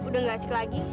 udah nggak asik lagi